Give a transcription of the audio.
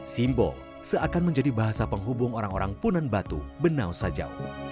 simbol seakan menjadi bahasa penghubung orang orang punan batu benau sajau